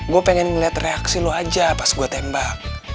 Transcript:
gue pengen ngeliat reaksi lo aja pas gue tembak